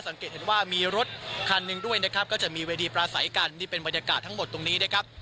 สังเกตเห็นว่ามีรถคันหนึ่งด้วยนะครับก็จะมีเวทีปลาใสกันนี่เป็นบรรยากาศทั้งหมดตรงนี้นะครับ